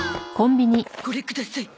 これください。